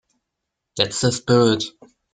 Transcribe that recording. That's the spirit!.